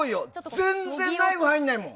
全然ナイフ入らないもん。